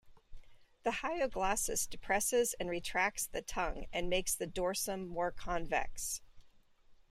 The hyoglossus depresses and retracts the tongue and makes the dorsum more convex.